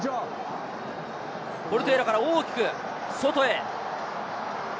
ポルテーラから大きく外へ。